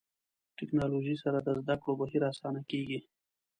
ټکنالوژي سره د زده کړو بهیر اسانه کېږي.